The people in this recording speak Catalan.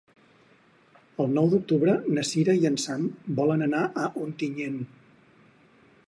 El nou d'octubre na Cira i en Sam volen anar a Ontinyent.